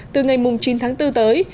từ ngày chín tháng bốn tới